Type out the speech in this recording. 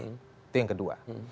itu yang kedua